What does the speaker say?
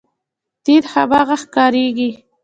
دین هماغه ښکارېږي.